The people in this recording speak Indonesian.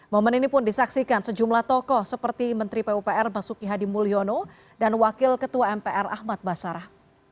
momen ini pun disaksikan sejumlah tokoh seperti menteri pupr basuki hadi mulyono dan wakil ketua mpr ahmad basarah